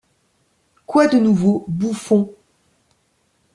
Quoi de nouveau, Bouffon?